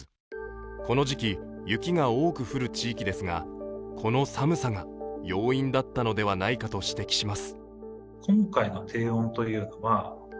この時期雪が多く降る季節ですがこの寒さが要因だったのではないかと指摘します。